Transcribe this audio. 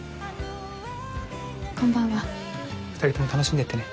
こんばんは二人とも楽しんでってね